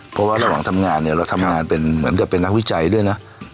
เพราะเรารองทำร้าฯเราก็ทำงานเหมือนเขียนหนักวิจัยด้วยนะ